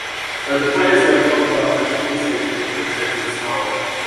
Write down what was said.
Though the Players' League folded after a single season, it had taken its toll.